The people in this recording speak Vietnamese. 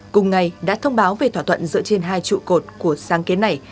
cùng ngày đã thông báo về thỏa thuận dựa trên hai trụ cột của sáng kiến này